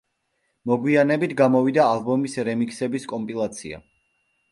მოგვიანებით გამოვიდა ალბომის რემიქსების კომპილაცია.